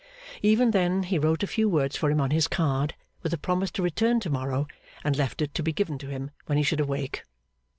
Even then he wrote a few words for him on his card, with a promise to return to morrow, and left it to be given to him when he should awake.